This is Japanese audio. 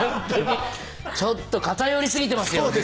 ちょっと偏りすぎてますよ